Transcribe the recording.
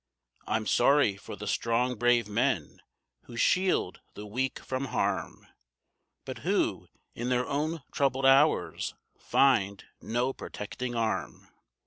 I'm sorry for the strong brave men, who shield the weak from harm, But who, in their own troubled hours find no protecting arm.